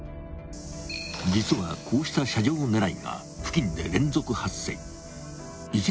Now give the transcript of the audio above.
［実はこうした車上狙いが付近で連続発生］